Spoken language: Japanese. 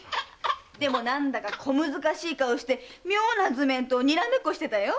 でも何だか小難しい顔して妙な図面とにらめっこしてたよ。